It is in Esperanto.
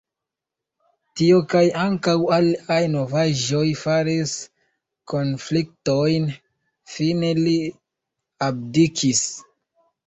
Tio kaj ankaŭ aliaj novaĵoj faris konfliktojn, fine li abdikis.